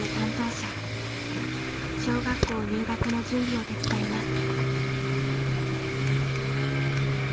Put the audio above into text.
小学校入学の準備を手伝います。